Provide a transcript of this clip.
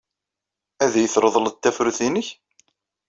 Ad iyi-treḍled tafrut-nnek?